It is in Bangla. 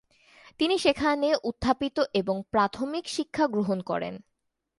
তিনি সেখানে উত্থাপিত এবং প্রাথমিক শিক্ষা গ্রহণ করেন।